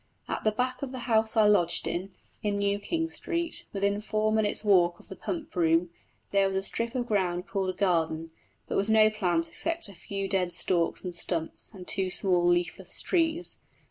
At the back of the house I lodged in, in New King Street, within four minutes' walk of the Pump Room, there was a strip of ground called a garden, but with no plants except a few dead stalks and stumps and two small leafless trees.